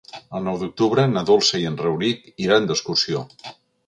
El nou d'octubre na Dolça i en Rauric iran d'excursió.